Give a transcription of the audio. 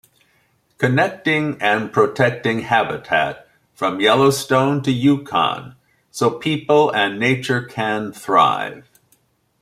Connecting and protecting habitat from Yellowstone to Yukon so people and nature can thrive.